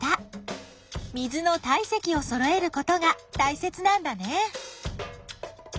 水の体積をそろえることがたいせつなんだね！